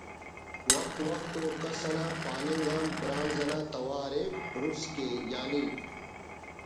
وخت وخت او کس انا پاننگ آ برانز نا توار ءِ بڑز کے یعنی